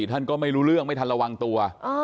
ท่านก็ไม่รู้เรื่องไม่ทันระวังตัว